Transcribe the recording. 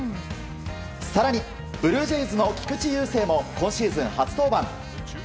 更に、ブルージェイズの菊池雄星も今シーズン初登板。